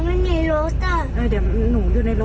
อะไรเอาแม็กซ์เอาตังค์มาไม่เอาไม่เอาเจ็บมีในอีกบ้านเขาอยู่นู้น